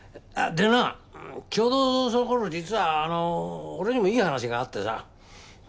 でなちょうどその頃実はあの俺にもいい話があってさ。